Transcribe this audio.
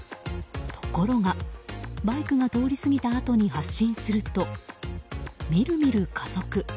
ところがバイクが通り過ぎたあとに発進するとみるみる加速。